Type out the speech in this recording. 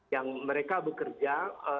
yang mereka bekerja